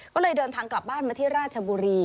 ก็เลยเดินทางกลับบ้านมาที่ราชบุรี